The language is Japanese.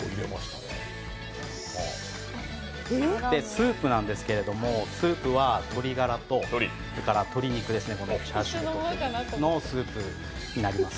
スープなんですけどスープは鶏ガラと鶏肉のスープになります。